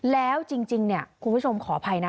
แล้วจริงเนี่ยคุณผู้ชมขออภัยนะ